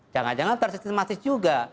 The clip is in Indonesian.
jangan jangan tersistematis juga